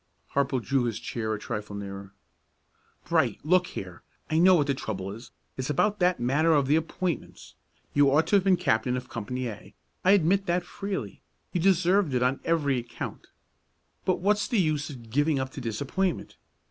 Harple drew his chair a trifle nearer. "Bright, look here! I know what the trouble is; it's all about that matter of the appointments. You ought to have been captain of Company A, I admit that freely; you deserved it on every account; but what's the use in giving up to disappointment?